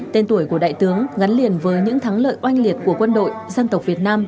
tên tuổi của đại tướng gắn liền với những thắng lợi oanh liệt của quân đội dân tộc việt nam